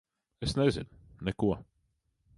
Es nezinu. Neko.